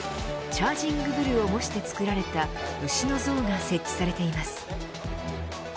チャージング・ブルを模して作られた牛の像が設置されています。